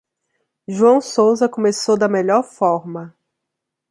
João Sousa começou da melhor forma.